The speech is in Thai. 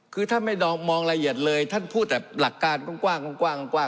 คือท่านไม่มองละเอียดเลยท่านพูดแต่หลักการกว้าง